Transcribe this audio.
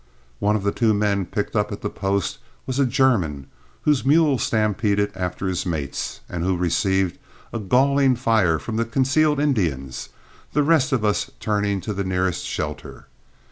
One of the two men picked up at the post was a German, whose mule stampeded after his mates, and who received a galling fire from the concealed Indians, the rest of us turning to the nearest shelter.